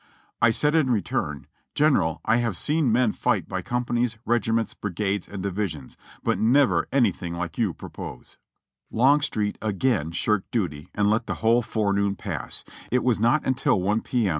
I said in return, 'General, I have seen men fight by companies, regiments, brigades, and divisions, but never anything like you propose.' " {Baltimore Sun, October 25, 1889.) Longstreet again shirked duty, and let the whole forenoon pass ; and it was not until i P. M.